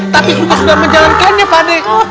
tapi juga sudah menjalankannya pak d